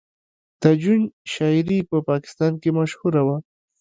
د جون شاعري په پاکستان کې مشهوره شوه